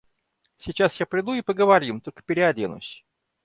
Сейчас я приду и поговорим, только переоденусь.